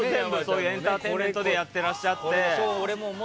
エンターテイメントでやってらっしゃって。